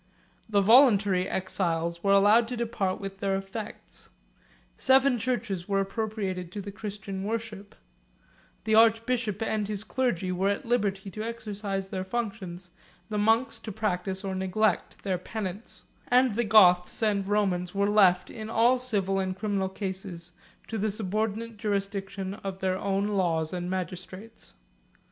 The voluntary exiles were allowed to depart with their effects; seven churches were appropriated to the Christian worship; the archbishop and his clergy were at liberty to exercise their functions, the monks to practise or neglect their penance; and the Goths and Romans were left in all civil or criminal cases to the subordinate jurisdiction of their own laws and magistrates.